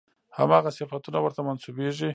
همغه صفتونه ورته منسوبېږي.